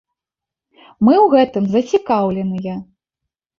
Мы ў гэтым зацікаўленыя.